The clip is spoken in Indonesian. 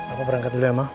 papa berangkat dulu ya ma